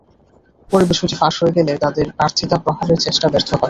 পরে বিষয়টি ফাঁস হয়ে গেলে তাঁদের প্রার্থিতা প্রত্যাহারের চেষ্টা ব্যর্থ হয়।